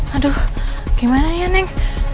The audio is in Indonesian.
aduh gimana ya neng